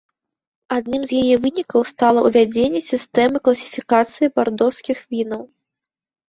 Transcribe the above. Адным з яе вынікаў стала ўвядзенне сістэмы класіфікацыі бардоскіх вінаў.